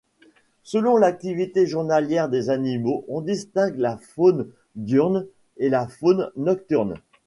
Selon l'activité journalière des animaux, on distingue la faune diurne et la faune nocturne.